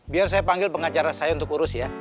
biar saya panggil pengacara saya untuk urus ya